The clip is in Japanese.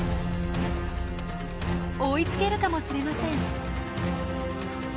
追いつけるかもしれません。